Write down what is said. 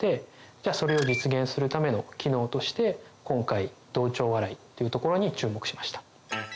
じゃあそれを実現するための機能として今回同調笑いというところに注目しました。